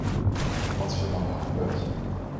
Wat is er dan wel gebeurd?